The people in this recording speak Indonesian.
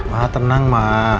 ma tenang ma